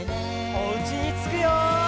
おうちにつくよ！